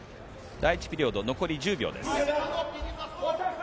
第１ピリオド、残り１０秒です。